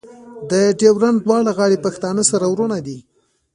د ډیورنډ دواړه غاړې پښتانه سره ورونه دي.